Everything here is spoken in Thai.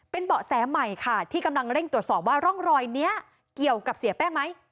เป็นเบาะแสใหม่ค่ะที่กำลังเร่งตรวจสอบว่าร่องรอยนี้เกี่ยวกับเสียแป้งไหม